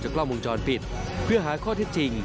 กล้องวงจรปิดเพื่อหาข้อเท็จจริง